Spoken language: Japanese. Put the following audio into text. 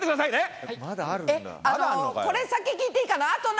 えっあのこれ先聞いていいかな？